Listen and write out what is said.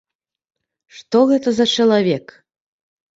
Што гэта за чалавек?